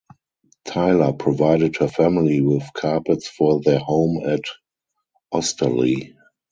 Tyler provided her family with carpets for their home at Osterley.